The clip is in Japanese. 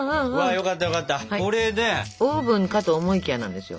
オーブンかと思いきやなんですよ。